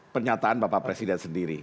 pernyataan bapak presiden sendiri